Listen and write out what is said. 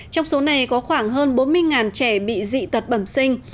trong số này có khoảng hơn bốn mươi trẻ bị dị tật bẩm sinh